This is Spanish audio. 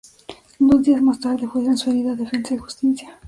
Dos días más tarde fue transferido a Defensa y Justicia.